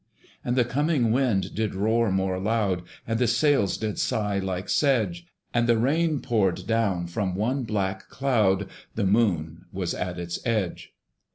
And the coming wind did roar more loud, And the sails did sigh like sedge; And the rain poured down from one black cloud; The Moon was at its edge.